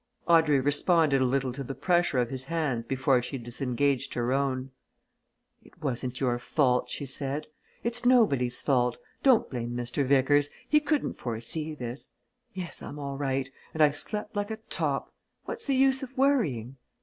Audrey responded a little to the pressure of his hands before she disengaged her own. "It wasn't your fault," she said. "It's nobody's fault. Don't blame Mr. Vickers he couldn't foresee this. Yes, I'm all right and I slept like a top. What's the use of worrying?